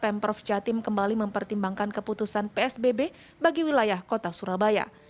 pemprov jatim kembali mempertimbangkan keputusan psbb bagi wilayah kota surabaya